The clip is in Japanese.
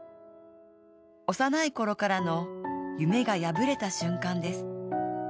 幼いころからの夢が破れた瞬間です。